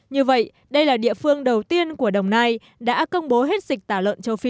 như vậy đây là địa phương đầu tiên của đồng nai đã công bố hết dịch tả lợn châu phi